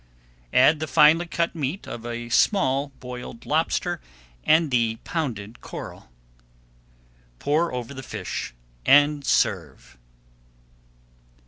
Add the finely cut meat of a small boiled lobster and the pounded coral. Pour over the fish and serve.